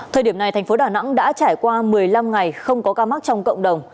thời điểm này thành phố đà nẵng đã trải qua một mươi năm ngày không có ca mắc trong cộng đồng